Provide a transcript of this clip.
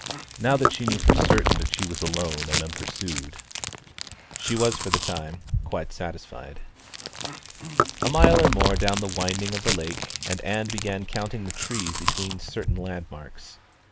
Now that she knew for certain that she was alone and unpursued, she was for the time quite satisfied. A mile more down the windings of the lake, and Ann began counting the trees between certain landmarks.